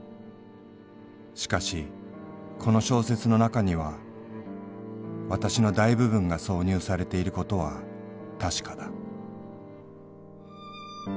しかしこの小説のなかには私の大部分が挿入されていることは確かだ」。